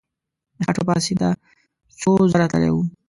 د خټو لپاره سیند ته څو ځله تللی وو.